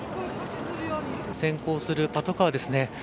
先行するパトカーですね。